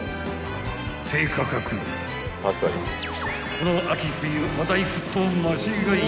［この秋冬話題沸騰間違いなし］